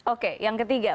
oke yang ketiga